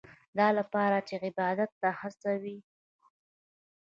دا لپاره چې عبادت ته هڅوي.